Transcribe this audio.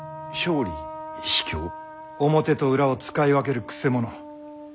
表と裏を使い分けるくせ者。